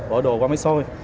bỏ đồ qua máy xôi